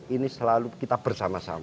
ini selalu kita bersama sama